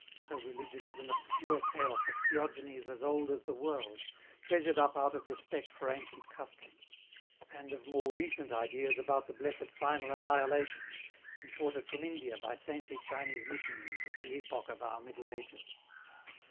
Her religion is an obscure chaos of theogonies as old as the world, treasured up out of respect for ancient customs; and of more recent ideas about the blessed final annihilation, imported from India by saintly Chinese missionaries at the epoch of our Middle Ages.